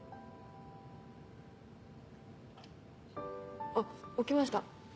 あぁ。あっ起きました？